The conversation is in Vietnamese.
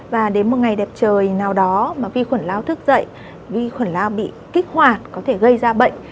và đến một ngày đẹp trời nào đó mà vi khuẩn lao thức dậy vi khuẩn lao bị kích hoạt có thể gây ra bệnh